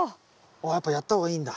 やっぱやった方がいいんだ。